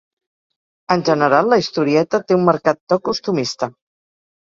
En general, la historieta té un marcat to costumista.